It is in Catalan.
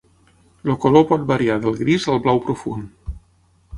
El color pot variar del gris al blau profund.